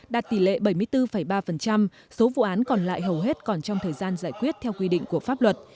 đạt tỷ lệ bảy mươi bốn ba số vụ án còn lại hầu hết còn trong thời gian giải quyết theo quy định của pháp luật